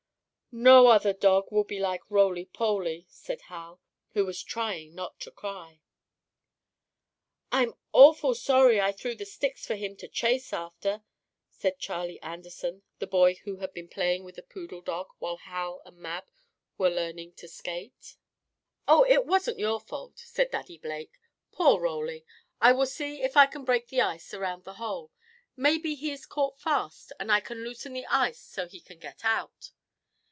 "No other dog will be like Roly Poly," said Hal, who was trying not to cry. "I'm awful sorry I threw the sticks for him to chase after," said Charlie Anderson, the boy who had been playing with the poodle dog while Hal and Mab were learning to skate. "Oh, it wasn't your fault," said Daddy Blake. "Poor Roly! I will see if I can break the ice around the hole. Maybe he is caught fast, and I can loosen the ice so he can get out."